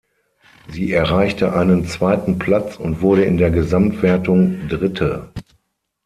Sie erreichte einen zweiten Platz und wurde in der Gesamtwertung Dritte.